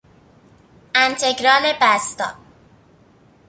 انتگرال بستا